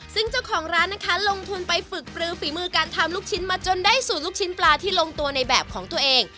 ซึ่งเจ้าของร้านนะคะลงทุนไปฝึกปลือฝีมือการทำลูกชิ้นมาจนได้สูตรลูกชิ้นปลาที่ลงตัวในแบบของตัวเอง